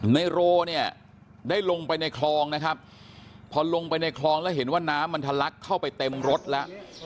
ในโรเนี่ยได้ลงไปในคลองนะครับพอลงไปในคลองแล้วเห็นว่าน้ำมันทะลักเข้าไปเต็มรถแล้ว